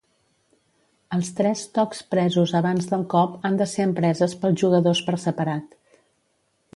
Els tres tocs presos abans del cop han de ser empreses pels jugadors per separat.